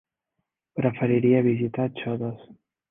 Preferiria visitar Xodos.